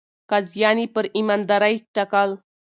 قاضيان يې پر ايماندارۍ ټاکل.